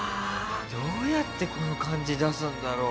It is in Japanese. どうやってこの感じ出すんだろう？